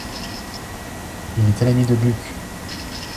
Il était l'ami de Gluck.